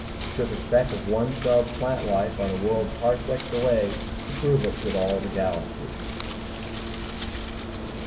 It took a speck of one celled plant life on a world parsecs away to prove it for all the galaxy.